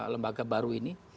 lembaga baru ini